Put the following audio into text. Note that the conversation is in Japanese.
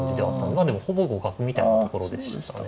まあでもほぼ互角みたいなところでしたね。